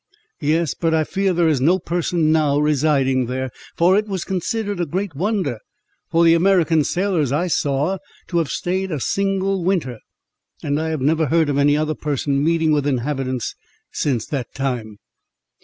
"Yes; but I fear there is no person now residing there, for it was considered a great wonder for the American sailors I saw to have staid a single winter; and I have never heard of any other person meeting with inhabitants since that time."